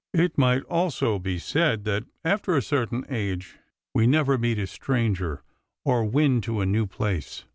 It might almost be said that after a certain age we never meet a stranger or win to a new place.